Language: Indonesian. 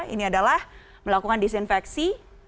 ini adalah melakukan disinfeksi